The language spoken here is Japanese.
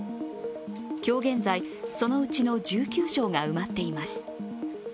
今日現在、そのうちの１９床が埋まっています。